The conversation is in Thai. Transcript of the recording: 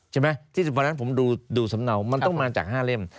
ใช่ไหมที่วันนั้นผมดูสำเนามันต้องมาจาก๕เล่ม